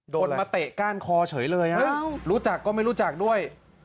โดนมาเตะก้านคอเฉยเลยรู้จักก็ไม่รู้จักด้วย